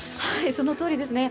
そのとおりですね。